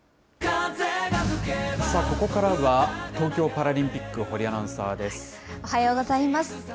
ここからは東京パラリンピック、おはようございます。